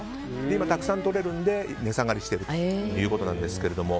今、たくさんとれるので値下がりしてるということなんですけども。